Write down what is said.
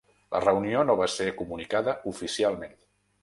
La reunió no va ser comunicada oficialment.